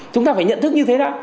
chúng ta phải nhận thức như thế đó